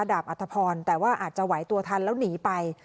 บอลอัธพรแต่ว่าอาจจะไหวตัวทันแล้วหนีไป